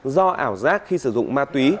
do ảo giác khi sử dụng ma túy